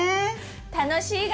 楽しいが。